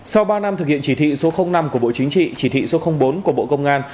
sau ba năm thực hiện chỉ thị số năm của bộ chính trị chỉ thị số bốn của bộ công an